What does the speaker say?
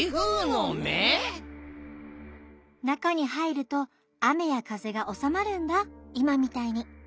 なかにはいるとあめやかぜがおさまるんだいまみたいに。